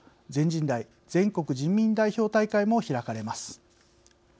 全人代＝全国人民代表大会も開かれます。